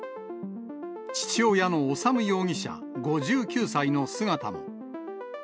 父親の修容疑者５９歳の姿も。